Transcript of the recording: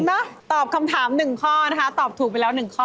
เนาะตอบคำถาม๑ข้อนะคะตอบถูกไปแล้ว๑ข้อ